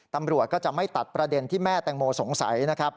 นับรวจก็จะไม่ตัดประเด็นที่แม่แตงโมสงสัย